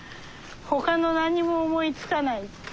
ほかの何にも思いつかない。